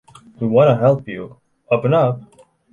We want to help you! Open up!